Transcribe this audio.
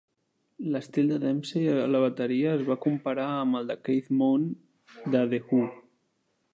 L'estil de Demsey a la bateria es va comparar amb el de Keith Moon de The Who.